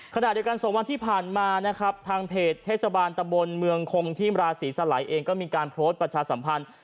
ขณะเดียวกัน๒วันที่ผ่านมานะครับทางเพจเทศบาลตะบนเมืองคงที่มราศีสลัยเองก็มีการโพสต์ประชาสัมพันธ์